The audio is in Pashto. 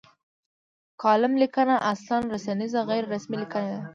کالم لیکنه اصلا رسنیزه غیر رسمي لیکنه ده.